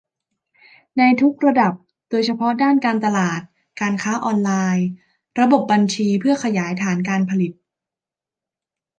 ในทุกระดับ โดยเฉพาะด้านการตลาด การค้าออนไลน์ ระบบบัญชี เพื่อขยายฐานการผลิต